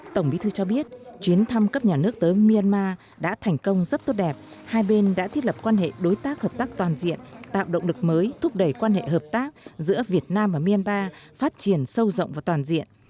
tổng bí thư cho biết chuyến thăm cấp nhà nước tới myanmar đã thành công rất tốt đẹp hai bên đã thiết lập quan hệ đối tác hợp tác toàn diện tạo động lực mới thúc đẩy quan hệ hợp tác giữa việt nam và myanmar phát triển sâu rộng và toàn diện